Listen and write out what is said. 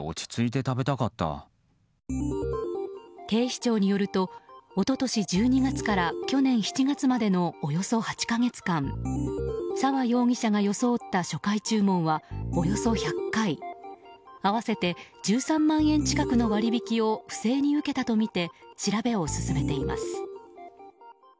警視庁によると一昨年１２月から去年７月までのおよそ８か月間沢容疑者が装った初回注文はおよそ１００回合わせて１３万円近くの割引を不正に受けたとみて調べを進めています。